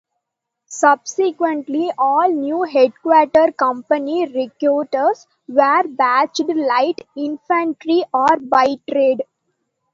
Subsequently all new Headquarter Company recruits were badged Light Infantry or by trade.